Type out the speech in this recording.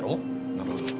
なるほど。